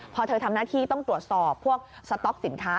พอเธอทำหน้าที่ต้องตรวจสอบพวกสต๊อกสินค้า